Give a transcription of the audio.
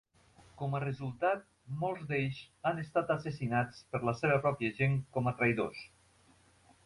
Com a resultat, molts d'ells han estat assassinats per la seva pròpia gent com a traïdors.